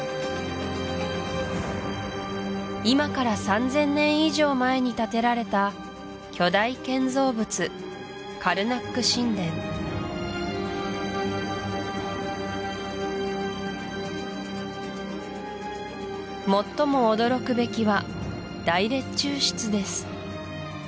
今から３０００年以上前に建てられた巨大建造物カルナック神殿最も驚くべきは大列柱室です